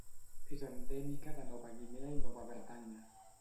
És endèmica de Nova Guinea i Nova Bretanya.